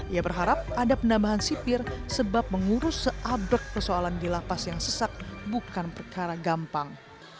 ia berharap ada penambahan sipir sebab mengurus seabek persoalan di lapas yang sesak bukan perkara gampang